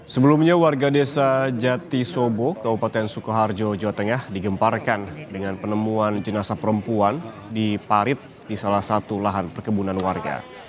sebelumnya warga desa jati sobo kabupaten sukoharjo jawa tengah digemparkan dengan penemuan jenazah perempuan di parit di salah satu lahan perkebunan warga